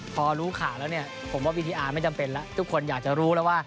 พอรู้ข่าวแล้วเนี่ยผมว่าวิธีอาร์ไม่จำเป็นแล้วทุกคนอยากจะรู้แล้วว่า